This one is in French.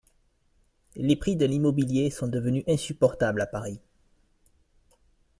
Les prix de l'immobilier sont devenus insupportables à Paris.